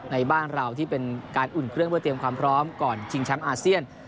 ในบ้านเราที่เป็นการอุ่นเครื่องเพื่อเตรียมความพร้อมก่อนชิงแชมป์อาเซียน